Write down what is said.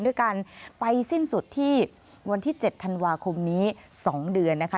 ด้วยการไปสิ้นสุดที่วันที่๗ธันวาคมนี้๒เดือนนะคะ